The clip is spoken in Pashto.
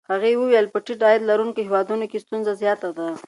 هغې وویل په ټیټ عاید لرونکو هېوادونو کې ستونزه زیاته ده.